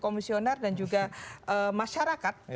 komisioner dan juga masyarakat